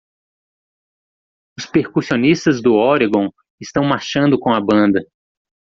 Os percussionistas do Oregon estão marchando com a banda.